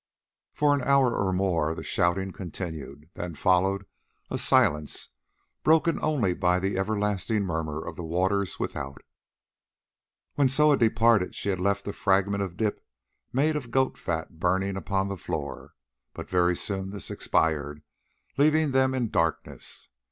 For an hour or more the shouting continued, then followed a silence broken only by the everlasting murmur of the waters without. When Soa departed she had left a fragment of dip made of goat fat burning upon the floor, but very soon this expired, leaving them in darkness.